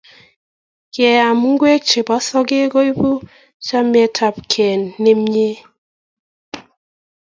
Keam ngwek chepo sokek koipu chametapkei nemie